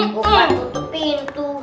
bukannya tutup pintu